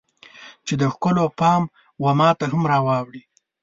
چې د ښکلو پام و ماته هم راواوړي